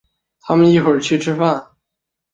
他们一会儿去吃饭。